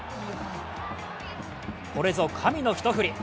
これぞ、神の一振り。